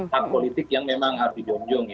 hal politik yang memang harus dijonjong